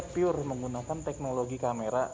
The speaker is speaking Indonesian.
pure menggunakan teknologi kamera